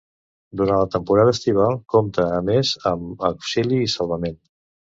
Durant la temporada estival compta a més amb auxili i salvament.